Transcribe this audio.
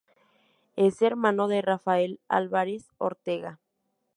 Es hermano de Rafael Álvarez Ortega.